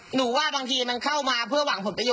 หรือว่ามาร่วมช่วยตรงนี้ด้วย